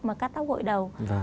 mà cắt tóc gội đầu